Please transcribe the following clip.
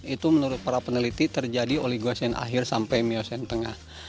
itu menurut para peneliti terjadi oleh gwesen akhir sampai miosen tengah